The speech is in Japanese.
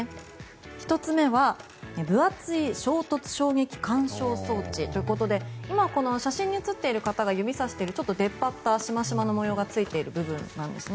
１つ目は、分厚い衝突衝撃緩衝装置ということで今、写真に写っている方が指をさしているちょっと出っ張ったしましまの模様がついている部分なんですね。